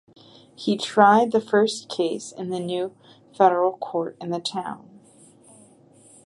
He tried the first case in the new Federal Court in the town.